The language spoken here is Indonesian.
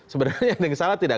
sebenarnya yang salah tidak